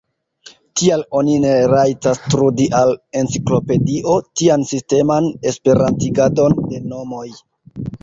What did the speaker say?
Tial oni ne rajtas trudi al enciklopedio tian sisteman esperantigadon de nomoj.